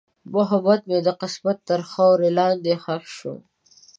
محبت مې د قسمت تر خاورو لاندې ښخ شو.